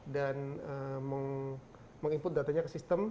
dan meng input datanya ke sistem